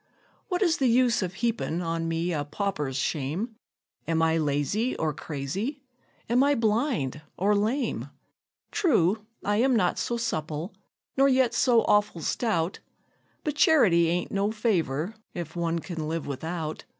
What is the use of heapin' on me a pauper's shame? Am I lazy or crazy? am I blind or lame? True, I am not so supple, nor yet so awful stout; But charity ain't no favor, if one can live without.